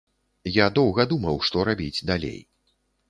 Я доўга думаў, што рабіць далей.